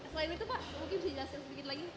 selain itu pak mungkin bisa jelaskan sedikit lagi